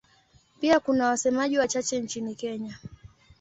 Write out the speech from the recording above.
Pia kuna wasemaji wachache nchini Kenya.